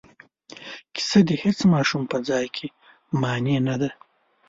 کیسه د هیڅ ماشوم په ځای کې مانع نه دی.